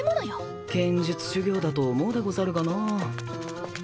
剣術修行だと思うでござるがなぁ。